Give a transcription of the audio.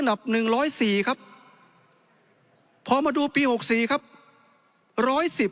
หนึ่งร้อยสี่ครับพอมาดูปีหกสี่ครับร้อยสิบ